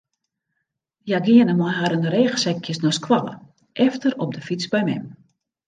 Hja geane mei harren rêchsekjes nei skoalle, efter op de fyts by mem.